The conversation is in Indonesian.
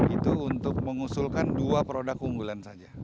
itu untuk mengusulkan dua produk unggulan saja